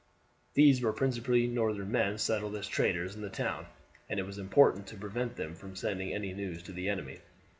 These were principally Northern men settled as traders in the towns, and it was important to prevent them from sending any news to the enemy.